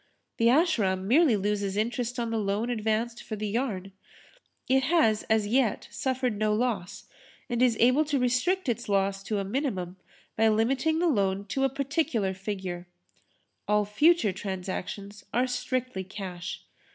The Ashram merely loses interest on the loan advanced for the yarn. It has as yet suffered no loss and is able to restrict its loss to a minimum by limiting the loan to a particular figure. All future transactions are strictly cash.